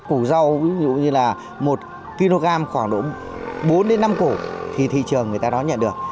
củ rau ví dụ như là một kg khoảng độ bốn năm cổ thì thị trường người ta đó nhận được